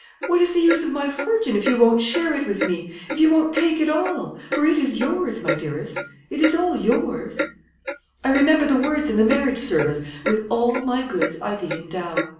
What is the use of my fortune if you won't share it with me, if you won't take it all; for it is yours, my dearest it is all yours? I remember the words in the Marriage Service, 'with all my goods I thee endow.'